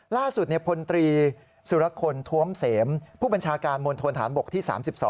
ล่าสุดพลตรีสุรคลท้วมเสมผู้บัญชาการมณฑนฐานบกที่๓๒